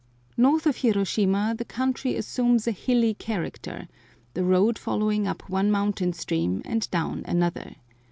North of Hiroshima the country assumes a hilly character, the road following up one mountain stream and down another.